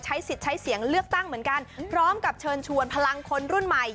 สิทธิ์ใช้เสียงเลือกตั้งเหมือนกันพร้อมกับเชิญชวนพลังคนรุ่นใหม่